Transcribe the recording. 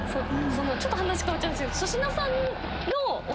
ちょっと話変わっちゃうんですけど。